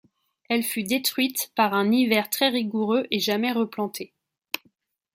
Elle fut détruite par un hiver très rigoureux et jamais replantée.